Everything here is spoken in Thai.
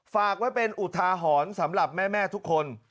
ฝากไว้เป็นอุทาหรณ์สำหรับแม่ทุกคน